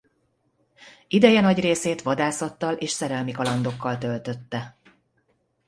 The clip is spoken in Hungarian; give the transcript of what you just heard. Ideje nagy részét vadászattal és szerelmi kalandokkal töltötte.